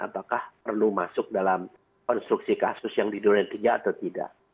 apakah perlu masuk dalam konstruksi kasus yang didunainya atau tidak